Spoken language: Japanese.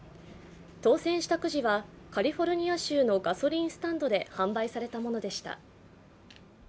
当選したくじはカリフォルニア州のガソリンスタンドで販売されたものでした。